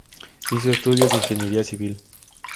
Hizo estudios de ingeniería civil.